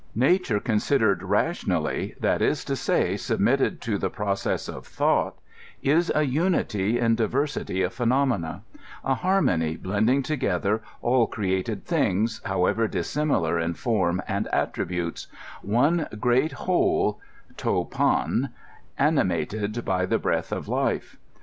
Nature considered rationaHyy that is to say, submitted to the process of thought, is a unity in diversity of phenomena ; a harmony, blending together all created thmgs, however dis similar in form and attributes ; one great whole (rd iiav) an imated by the breath of life.